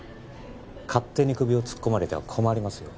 勝手に首を突っ込まれては困りますよ